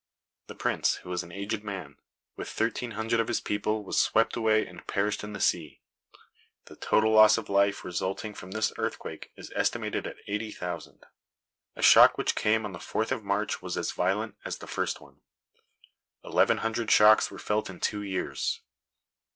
The Prince, who was an aged man, with thirteen hundred of his people was swept away and perished in the sea. The total loss of life resulting from this earthquake is estimated at eighty thousand. A shock which came on the 4th of March was as violent as the first one. Eleven hundred shocks were felt in two years.